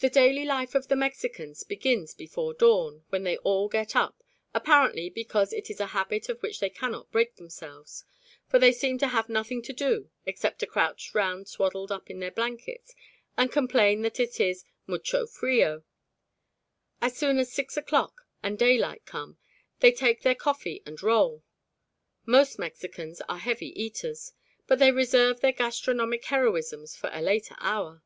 The daily life of the Mexicans begins before dawn, when they all get up, apparently because it is a habit of which they cannot break themselves, for they seem to have nothing to do except to crouch round swaddled up in blankets and complain that it is "mucho frio." As soon as six o'clock and daylight come they take their coffee and roll. Most Mexicans are heavy eaters, but they reserve their gastronomic heroisms for a later hour.